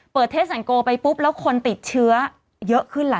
เปิดเทสแสนโกไปปุ๊บแล้วคนติดเชื้อเยอะขึ้นแหละ